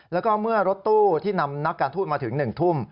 แล้วก็เมื่อรถตู้ที่นำนักการทูตมาถึง๑ทุ่ม